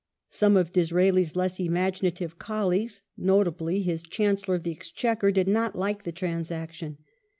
Some of Disraeli's less imaginative colleagues, notably his Chancellor of the Exchequer, did not like the transaction.'